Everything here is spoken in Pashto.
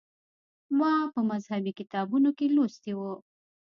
ما په مذهبي کتابونو کې لوستي و.